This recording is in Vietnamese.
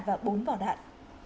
và bốn vỏ đạn